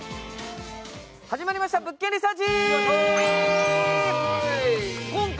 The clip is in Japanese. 始まりました「物件リサーチ」！